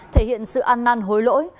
thể hiện sự ăn năn hối lỗi